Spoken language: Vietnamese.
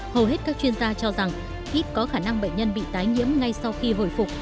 hầu hết các chuyên gia cho rằng ít có khả năng bệnh nhân bị tái nhiễm ngay sau khi hồi phục